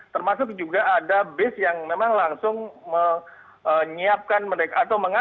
termasuk juga ada bis yang memang langsung menunggu